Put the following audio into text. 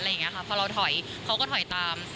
พอเราถอยเขาก็ถอยตาม